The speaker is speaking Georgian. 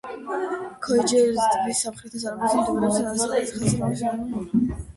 ქიოიჯეღიზის ტბის სამხრეთ სანაპიროზე მდებარეობს ნასხლეტის ხაზი, რომელიც შემოზღუდულია რამდენიმე გოგირდოვანი ცხელი წყაროებით.